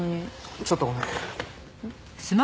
ちょっとごめん。